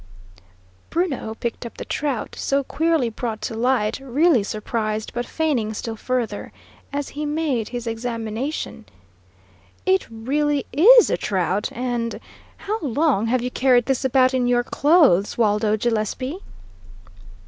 Bruno picked up the trout, so queerly brought to light, really surprised, but feigning still further, as he made his examination. "It really IS a trout, and how long have you carried this about in your clothes, Waldo Gillespie?"